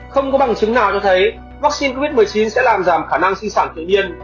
không có bằng chứng nào cho thấy vaccine covid một mươi chín sẽ làm giảm khả năng sinh sản tự nhiên